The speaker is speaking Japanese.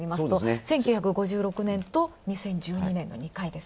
１９５６年と２０１２年の２回です。